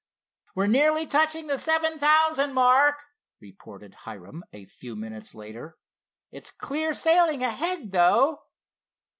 "We're nearly touching the seven thousand mark," reported Hiram, a few minutes later. "It's clear sailing ahead, though."